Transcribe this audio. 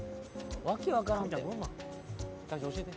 訳分からんって・